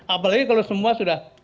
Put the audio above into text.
apalagi kalau semua sudah